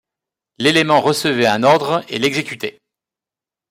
L’élément recevait un ordre et l’exécutait.